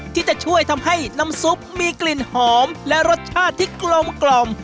ที่จะช่วยทำให้น้ำซุปมีกลิ่นหอมและรสชาติที่กลมกล่อม